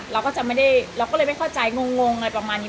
เราก็เลยไม่เข้าใจงงประมาณนี้